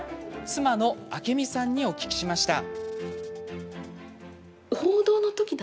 妻のあけみさんにお聞きしました。